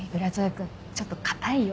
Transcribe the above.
君ちょっと硬いよ。